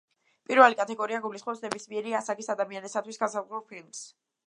პირველი კატეგორია გულისხმობს ნებისმიერი ასაკის ადამიანისთვის განსაზღვრულ ფილმს.